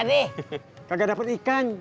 jadi aku gak bisa menangisnya